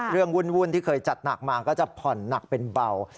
วุ่นที่เคยจัดหนักมาก็จะผ่อนหนักเป็นเบา